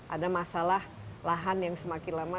ada masalah lahan yang semakin lama